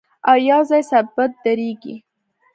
او یو ځای ثابت درېږي